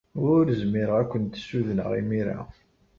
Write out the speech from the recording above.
Ur zmireɣ ad kent-ssudneɣ imir-a.